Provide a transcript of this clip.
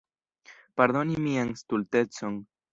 Pardoni mian stultecon.